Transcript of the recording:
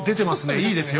いいですよ